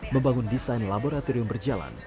membangun desain laboratorium berjalan